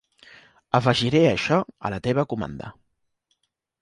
Afegiré això a la teva comanda.